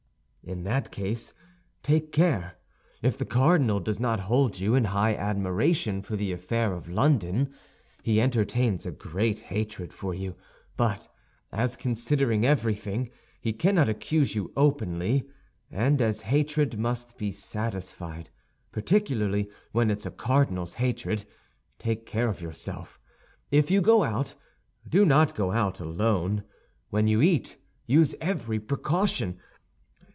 "In that case, take care! If the cardinal does not hold you in high admiration for the affair of London, he entertains a great hatred for you; but as, considering everything, he cannot accuse you openly, and as hatred must be satisfied, particularly when it's a cardinal's hatred, take care of yourself. If you go out, do not go out alone; when you eat, use every precaution.